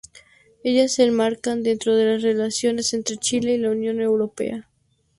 Ellas se enmarcan dentro de las relaciones entre Chile y la Unión Europea.